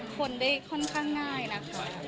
ค่อนข้างง่ายนะคะ